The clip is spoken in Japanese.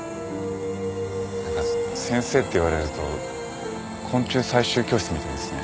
何か「先生」って言われると昆虫採集教室みたいですね。